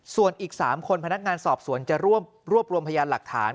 ส่วนอีก๓คนพนักงานสอบสวนจะรวบรวมพยานหลักฐาน